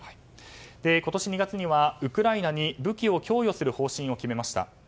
今年２月にはウクライナに武器を供与する方針を決めました。